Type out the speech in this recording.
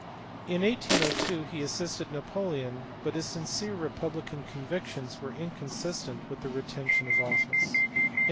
In 1802 he assisted Napoleon, but his sincere republican convictions were inconsistent with the retention of office.